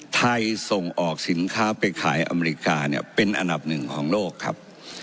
ไทยส่งออกสินค้าไปขายอเมริกาเนี่ยเป็นอันดับหนึ่งของโลกครับ